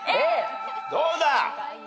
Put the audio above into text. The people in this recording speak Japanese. どうだ？